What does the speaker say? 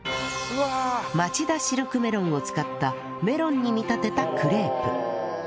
まちだシルクメロンを使ったメロンに見立てたクレープ